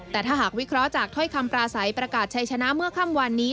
แต่ถ้าหากวิเคราะห์จากถ้อยคำปราศัยประกาศชัยชนะเมื่อค่ำวันนี้